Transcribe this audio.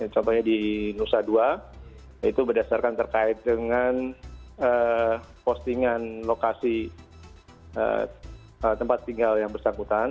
contohnya di nusa dua itu berdasarkan terkait dengan postingan lokasi tempat tinggal yang bersangkutan